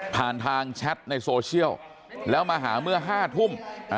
ผ่านทางแชทในโซเชียลแล้วมาหาเมื่อ๕ทุ่ม